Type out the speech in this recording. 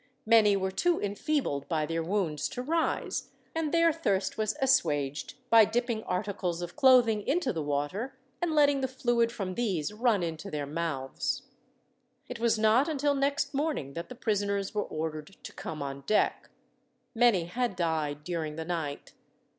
Many were too enfeebled by their wounds to rise, and their thirst was assuaged by dipping articles of clothing into the water, and letting the fluid from these run into their mouths. It was not until next morning that the prisoners were ordered to come on deck. Many had died during the night.